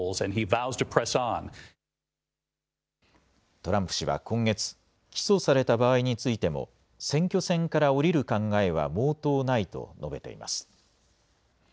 トランプ氏は今月、起訴された場合についても、選挙戦からおりる考えは毛頭ないと述べています。